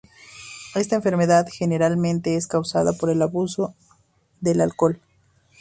Esta enfermedad generalmente es causada por el abuso de alcohol.